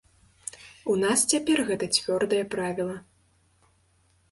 У нас цяпер гэта цвёрдае правіла.